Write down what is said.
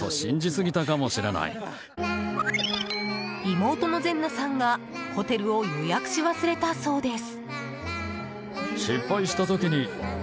妹のゼンナさんがホテルを予約し忘れたそうです。